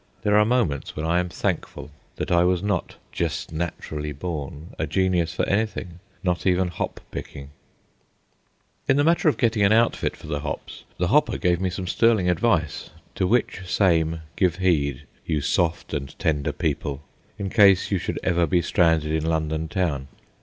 There are moments when I am thankful that I was not "jest nat'rally born" a genius for anything, not even hop picking, In the matter of getting an outfit for "the hops," the Hopper gave me some sterling advice, to which same give heed, you soft and tender people, in case you should ever be stranded in London Town.